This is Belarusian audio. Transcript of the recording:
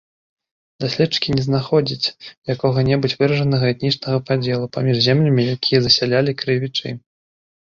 Даследчыкі не знаходзіць якога-небудзь выражанага этнічнага падзелу паміж землямі, якія засялялі крывічы.